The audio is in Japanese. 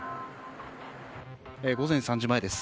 午前３時前です。